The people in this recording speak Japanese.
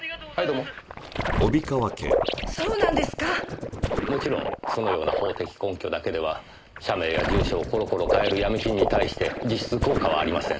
もちろんそのような法的根拠だけでは社名や住所をコロコロ変えるヤミ金に対して実質効果はありません。